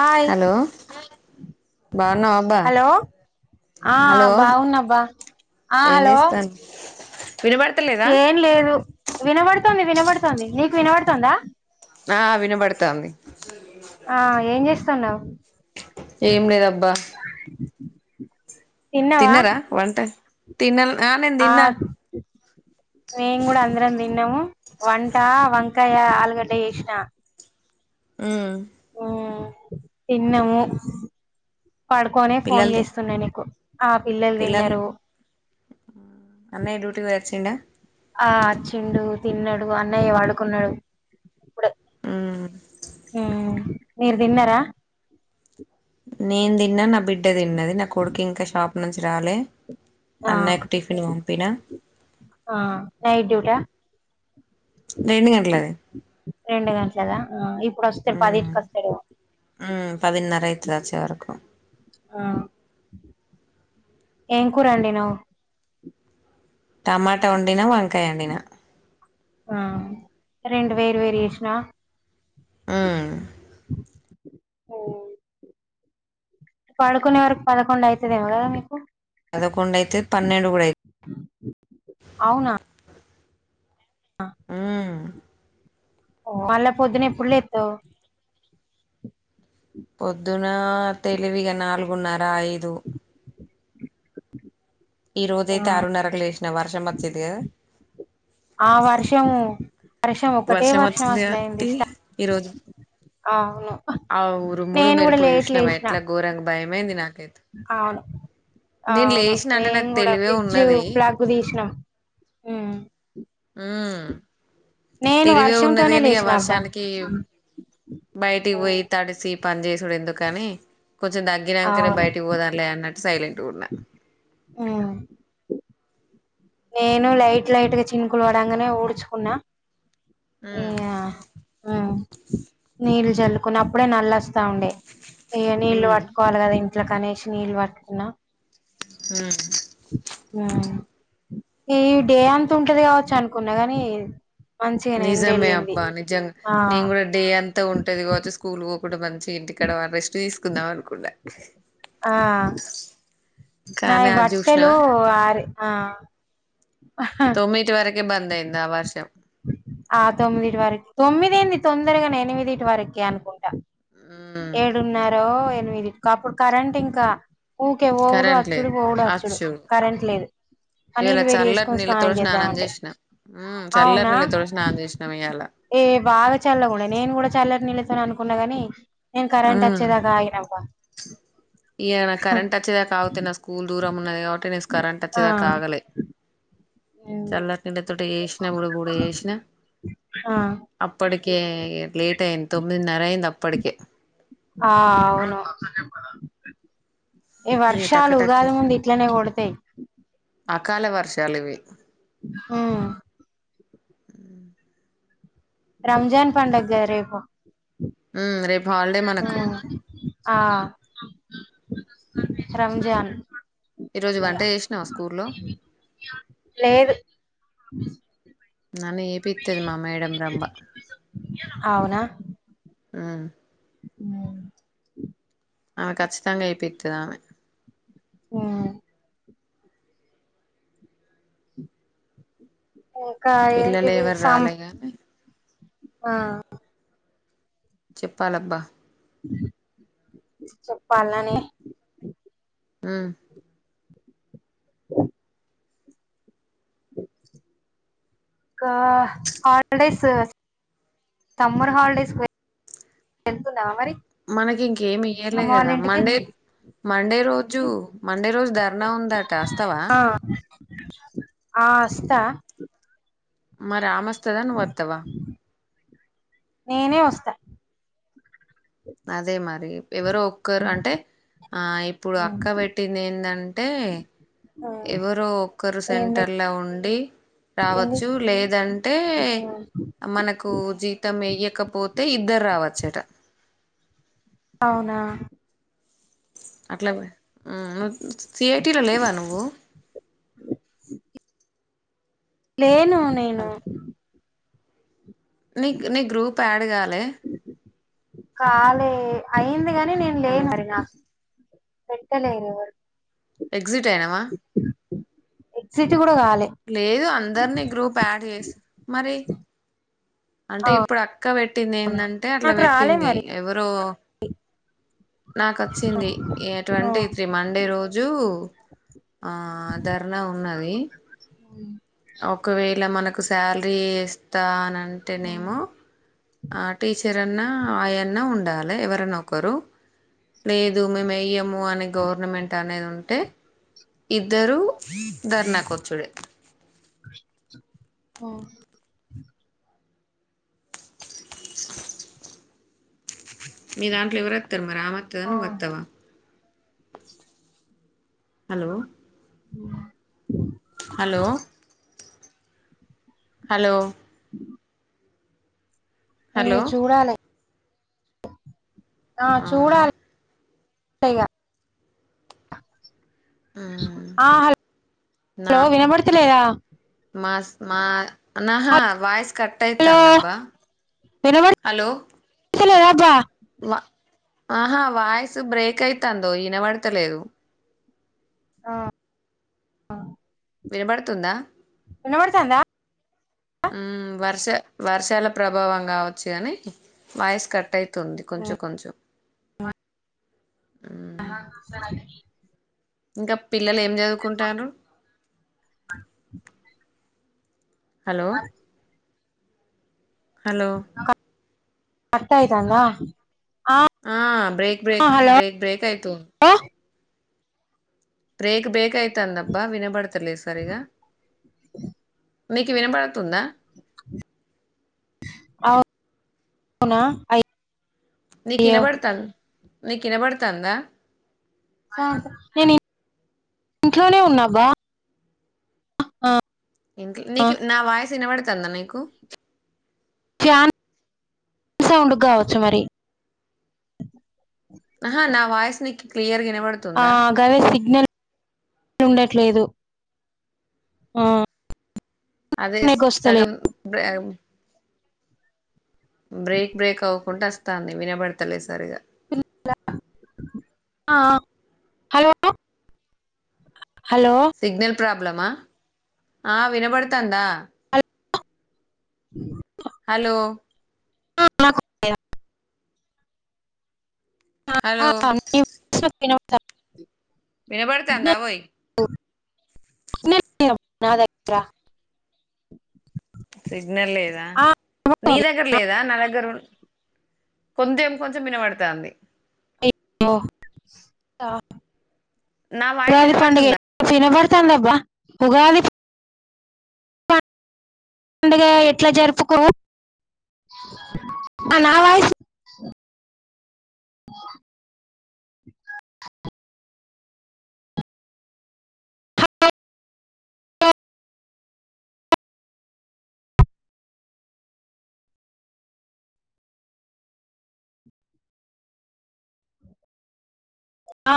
హాయి hello బాగున్నావా అబ్బా hello ఆ హలో బాగున్నాబ్బా ఆ ఏం హలో చేస్తాను వినబడతలేదా ఏం లేదు వినబడుతుంది. వినబడుతుంది నీకు వినబడుతుందా. ఆ వినబడుతాంది. ఆ ఏం చేస్తాన్నావు. ఏం లేదు అబ్బా. బా. తిన్నావా తిన్నారా వంట. తిన్నలే. ఆ మేము కూడా అందరం. తిన్నము వంట వంకాయ ఆలుగడ్డ చేసిన. మ్మ్ మ్మ్ తిన్నాము. పడుకోనే ఫోన్ పిల్లలది చేస్తున్నా నీకు. ఆ పిల్లలు తిన్నారు. వచ్చిండ. ఆ వచ్చిండు తిన్నాడు అన్నయ్య పడుకున్నాడు. ఇప్పుడే హ్మ్. మీరు తిన్నారా. నేను తిన్న నా బిడ్. తిన్నది నా కొడుకి ఇంకా షాప్. అక్కడి నుంచి రాలే. ఆ అన్నకు టిఫిన్. పిన్న. ఆ నైట్ డ్యూటా ఆ రెండు గంటలది గంటలదా ఆ ఇప్పుడు వస్తాడు పదిటికి వస్తాడు హ్మ్ పదినారా అయిదిరా వచ్చే వరకు. ఆ ఏం కూర వండినవ్ టమాటా వండినా వంకాయ వండినా. ఆ రెండు వేరు వేరియేషనా. హ్మ్. పడుకునే వరకు పదకొండు అయితదేమో కదా మీకు. పదకొండు అయితాది పన్నెడు కూడా అయి. ఆ. హ్మ్. మళ్ళా పొద్దున ఎప్పుడు లేత్తవు. పొద్దున తెలివిగా నాలుగున్నరా ఐదు. ఈ ఆ రోజయితే ఆరున్నరకు లేసినా వర్షం వచ్చేది కదా ఆ వర్షము వర్షం ఒకటే వర్షం వచ్చింది అసలు అయింది కాట్టి స్టా ఈరోజు. అవును ఆ ఉరుములు నేను కూడా మెరుపులు లేట్ జుసినవ లేసిన ఎట్ల గోరంగ బయం మేందిి నాక్ అవును అవును లేచిన అంటే మేం నాకు కూడా తెలివే ఫ్రిడ్జ్ ఉన్నది ఫ్లగ్ తీసినాం ఉమ్ ఉం నేను తిరివే ఉన్నది వర్షంతోనే కాని ఆ లేచిన అబ్బా వర్షానికి బయటికి పోయి తడిసి పని చేేసి ఎందుకని కొంచెం తగ్ ఆ, నంకనే అవును బయటికి పొదంలే అన్నటు సైలెంట్ నున్నా ఆ నేను లైట్ లైట్ గా చినుకులు వడంగానే ఊడ్చుకున్నా ఉమ్ ఉ నీళ్ళు జల్లుకుని అప్పుడే నల్లొస్తా ఉండే ఇగ నీళ్లు ఉమ్ పట్టుకోవాలికదా ఇంట్ ఇట్లా కనేసి నీళ్ళు పట్టుకున్నా ఉమ్ ఆ ఈ డే అంత ఉంటది కావచ్చు అనుకున్నా గాని మంచిగానే ఎండ నిజమే వెళ్ళింది అబ్బా నిజం ఆ నేను కూడా డే అంతా ఉంటది కావచ్చు స్కూల్ ఇప్పుడు బంచ్ ఇంటి కాడా రెస్ట్ తీసు కుందామనుకున్న ఆ కానీ నాయి అది బట్టలు చూసినవా ఆరి ఆ హా బందయింద ఆ వర్షం ఆ తొమ్మిదిటి వరకు తొమ్మిది ఏంది తొందరగానే ఎనిమిది వరకే అనుకుంటా మ్మ్ ఏడున్నారో మీది ఇ అప్పుడు కరెంట్ ఇంకా ఊకే పోోవుడు కరెంట్ అచ్చుడు లేదు పోవుడు అచ్చుడు కరెంట్ లేదు చల్లి ఇవాళ నీళ్లు వేడి చల్లటి వేసుకుొని నీళ్ళతో స్నానం చేద్దామంటే చేసినా మ్మ్ చల్లటి అవునా నీళ్ళతో స్నానం చేసినాం ఇయ్యాల ఏ బాగా చల్ల కూడా నేను కూడా చల్ల ర్నీ లేదు అని అనుకున్నా గాని నన్ కరెంట్ వచ్చదా ఆగనప్ప [inaudible] ఇ నా కరెంట్ వచ్చేదా కాగితే నా స్కూల్ దూరం ఉన్నది కాబట్టి నీకు కరెంట్ ఆ వచ్చేదా కాగలే. చల్లటి నీళ్లతోటి. గుడ గుడ చేసిన కూడా చేసినా ఆ అప్పటికే లేట్ అయింది తొమ్మిదిన్నర అయ్యింది అప్ప ఇప్పటికే ఆ అవును ఈ ఇగ వర్షాలు టకటకే ఉగాది ముందు ఇట్లనే కొడతాయి అకాల వర్షాలు ఇవి హా అ రంజాన్ పండగ రేపు రేపు హాలిడే మనకు ఉమ్ ఆ రంజాన్ ఈరోజు వంట చేసినావా స్కూల్లో లేదు నన్న ఏపిస్తది మా మేడం రంబ అవునా ఆ హ ఆ కచ్చితంగా చేపిస్తదా ఆమె హ ఇంకా పిల్లలు ఏంటిది ఎవరు సా రాలే గాని ఆ చెప్పాలబ్బా చెప్పాలనే ఆ [inaudible] ఇంకా హాలిడేస్ సమ్మర్ హాలిడేస్ వెళ్తున్నా మరి మనకి ఇంకేమి ఇయ్యలే అమ్మ వాళ్ళ కదా ఇంటికి మండే మండే రోజు రోజు మండే రోజు ధర్నా ఉందట అస్తావా ఆ ఆ అస్త మరి అమస్ స్తదా నువ్వు వత్తవా నేనే వస్తా అదే మరి ఎవరో ఒక్కరు ఉమ్, అంటే ఆ ఇప్పుడు ఉమ్, అక్క పెట్టింది ఎందంటే. ఎవరు ఒక్కరు ఏం సెంటర్లా ఉండి పెట్టింది రావచ్చు లేదంటే ఉమ్, మనకు జీతం వెేయ్యకపోతే ఇద్దరు రావచ్చట. అవునా అట్లా హ్మ్మ్ సి ఐ టీ లో లేవా నువ్వు లేను నేను హలో నీ నీ గ్రూప్ యాడ్ కాలే లే కాలే అయిందిగా నేను లేను హలో మరి నాక్ పెడతలేరు ఎవరు ఎగ్జిట్ అయినావా ఎగ్జిట్ కూడా కాలే లేదు అందరినీ గ్రూప్ యాడ్ చేసి మరి అంటే ఆ ఇప్పుడు అక్క పెట్టింది ఏదంటే అట్లా నాకు రాలే పెట్టింది మరి ఎవరో నాకొచ్చింది ఆ ట్వంటీ త్రీ మండే రోజు ఆ ధర్నా ఉన్నది. హ్మ్మ్ ఒకవేళ మనకు కు శాలరీ ఇస్తా అనన్ ఉమ్, అంటేనేమో ఆ టీచర్ ఎరన్నా ఆయన్నా ఉండాలి ఎవరన్నా ఒకరు లేదు మేము ఎయ్యము అనే గవర్నమెంట్ అనేది ఉన్ అంటే ఇద్దరు ధర్నాకచ్చుడే ఓ మీ దాంట్లో ఎవరత్తరు మరి మరమత్తద ఆ నవ్వు వత్తవా హలో ఉ హలో హలో ఏ హలో చూడాలే ఆ అవునా చూడాలి టె ఇగ మ్మ్ ఆ హలో నా హలో వినబడుతలేదా మాస్ మా నాహా వాయిస్ హలో కట్టయితంది దబ్బా హలో తలేదా జా వా ఆహా వాయిస్ బ్రేక్ అయితందోయి వినవడతలేదు ఆ వినబడుతుందా వినవడుతందా ఉ వర్ష వర్షాల ప్రభావం కావచ్చు కాని వాయిసు కట్ అయి తుంది కొంచెం కొంచెం ఆహ సరాగిని ఇంకా పిల్లలే ఏం చదువుకుంటారు హలో హలో కట్టయితంద ఆ బ్రేక్ బ్రేక్ బ్రేక్ బ్రేక్ అయితు బ్రేక్ బ్రేకయి తందబ్బ వినబడు తెలేదు సరిగా మీకు వినబడ తుంద నా అయి నీకు వినబడుతల్ నీకు వినబడతందా నేను ఇంట్లోనే ఉన్నావా ఇంట్లో నీకు నా వాయిస్ ఇనవాడు తంద నీకు ఫ్యాన్ సౌండ్ కావచ్చు మరి ఆహా నా వాయిస్ నిక్ క్లియర్గా ప్ ఆ గదే సిగ్నల్ ఉండట్లేదు ఆ అదే నీకు సగం వస్తలేదు బ్రావ్ బ్రేక్ బ్రేక్ అవ్వకుంట వస్తాంది వినబడతలే సరిగా ఆ హలో హలో సిగ్నల్ ప్రాబ్ లమా ఆ వినబడుతందా అల్ హలో [inaudible] హలో [inaudible] వినబడతా వినబడుతందా వోయి [unintelligible] నా దగ్గర సిగ్నల్ లేదా ఆ నీ వినబడుతోంది దగ్గర లేదా నా దగ్గర ఉన్ కొంతెం కొంచెం వినబడతంది ఓ సా నా వాయిస్ ఉగాది పండగ వినబడుతుందా చిన బడ్ తాంది ందబ్బా ఉగాది పండుగ ఎట్లా జరుపుకో ఆ నా వాయిస్ అ